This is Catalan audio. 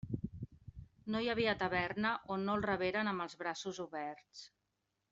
No hi havia taverna on no el reberen amb els braços oberts.